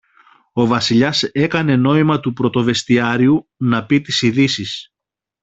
Ο Βασιλιάς έκανε νόημα του πρωτοβεστιάριου να πει τις ειδήσεις.